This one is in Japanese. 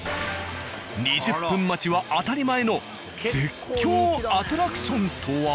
２０分待ちは当たり前の絶叫アトラクションとは！？